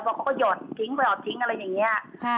เพราะเขาก็หยอดทิ้งไปหอดทิ้งอะไรอย่างนี้